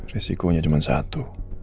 risikonya cuman satu